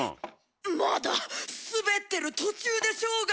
「まだスベってる途中でしょうが！」。